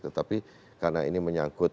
tetapi karena ini menyangkut